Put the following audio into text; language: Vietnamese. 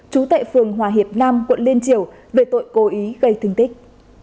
trú tại phường hòa hiệp nam quận liên triều về tội cố ý gây thương tích